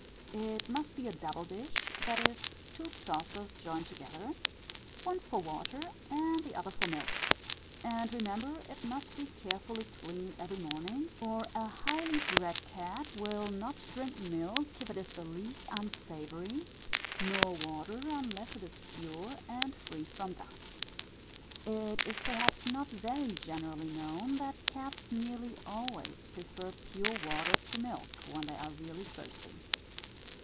It must be a double dish, that is, two saucers joined together, one for water and the other for milk; and remember, it must be carefully cleaned every morning, for a highly bred cat will not drink milk, if it is the least unsavoury, nor water unless it is pure and free from dust. It perhaps is not very generally known, that cats nearly always prefer pure water to milk, when they are really thirsty.